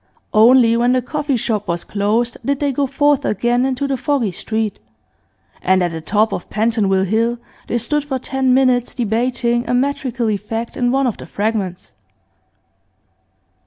Only when the coffee shop was closed did they go forth again into the foggy street, and at the top of Pentonville Hill they stood for ten minutes debating a metrical effect in one of the Fragments.